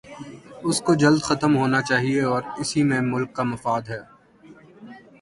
اس کو جلد ختم ہونا چاہیے اور اسی میں ملک کا مفاد ہے۔